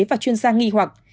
và chuyên gia nghi hoặc